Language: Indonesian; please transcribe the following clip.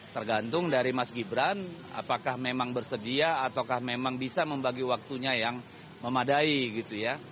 tergantung dari mas gibran apakah memang bersedia ataukah memang bisa membagi waktunya yang memadai gitu ya